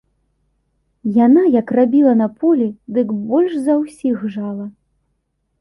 Яна як рабіла на полі, дык больш за ўсіх жала.